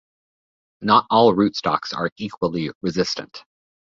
Not all rootstocks are equally resistant.